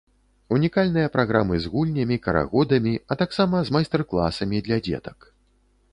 Унікальныя праграмы з гульнямі, карагодамі, а таксама з майстар-класамі для дзетак.